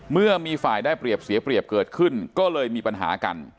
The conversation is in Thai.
เมื่อมีฝ่ายได้เปรียบเสียเปรียบเกิดขึ้นก็เลยมีปัญหากัน